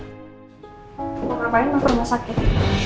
mau ngapain ma ke rumah sakit